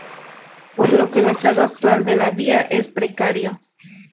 Por lo que el estado actual de la vía es precario.